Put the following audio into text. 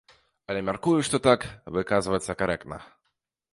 Але мяркую, што так выказвацца карэктна.